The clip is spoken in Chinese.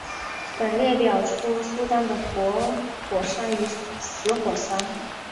本列表列出苏丹的活火山与死火山。